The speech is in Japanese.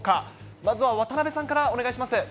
まずは渡辺さんからお願いします。